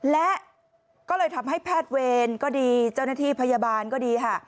และก็เลยทำให้แพทย์เวรก็ดีเจ้าหน้าที่พยาบาลก็ดีค่ะ